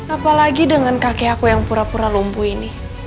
apalagi dengan kakek aku yang pura pura lumpuh ini